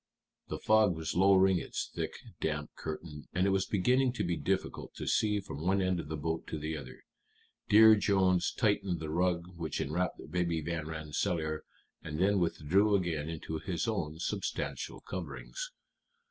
The fog was lowering its thick, damp curtain, and it was beginning to be difficult to see from one end of the boat to the other. Dear Jones tightened the rug which enwrapped Baby Van Rensselaer, and then withdrew again into his own substantial coverings.